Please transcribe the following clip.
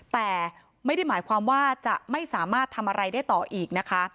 แต่ไม่ได้หมายความว่าจะไม่สามารถทำอะไรได้ต่ออีกนะคะ